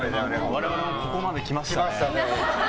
我々もここまで来ましたね。